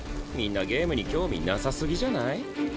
みんなゲームに興味なさすぎじゃない？